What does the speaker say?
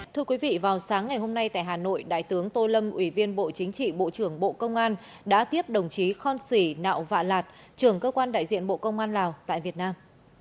thưa quý vị vào sáng ngày hôm nay tại hà nội đại tướng tô lâm ủy viên bộ chính trị bộ trưởng bộ công an đã tiếp đồng chí khon sĩ nạo vạn lạt trưởng cơ quan đại diện bộ công an lào tại việt nam